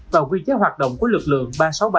và quy chế hoạt động của lực lượng ba trăm sáu mươi ba